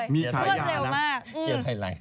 มีฉายาออกมาเลยเพิ่มเร็วมาก